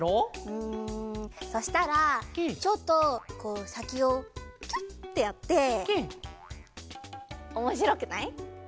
うんそしたらちょっとさきをキュッてやっておもしろくない？